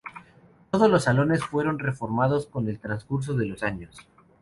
Todos los salones fueron reformados con el transcurso de los años.